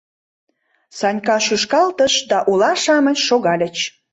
Санька шӱшкалтыш, да ула-шамыч шогальыч.